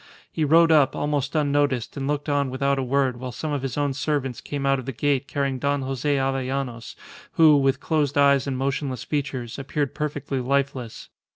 He rode up, almost unnoticed, and looked on without a word while some of his own servants came out of the gate carrying Don Jose Avellanos, who, with closed eyes and motionless features, appeared perfectly lifeless.